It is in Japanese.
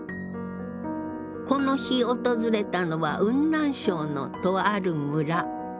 この日訪れたのは雲南省のとある村。